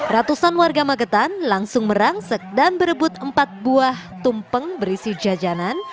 ratusan warga magetan langsung merangsek dan berebut empat buah tumpeng berisi jajanan